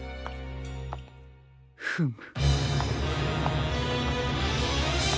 フム。